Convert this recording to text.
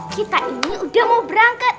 kita ini udah mau berangkat